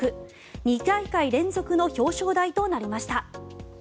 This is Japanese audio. ２大会連続の表彰台となりました。